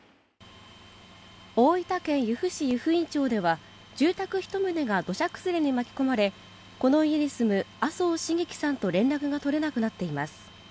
大分県由布市湯布院町では、住宅１棟が土砂崩れに巻き込まれ、この家に住む麻生繁喜さんと連絡が取れなくなっています。